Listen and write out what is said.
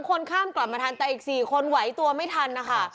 คนข้ามกลับมาทันแต่อีก๔คนไหวตัวไม่ทันนะคะ